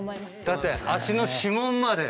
だって足の指紋まで。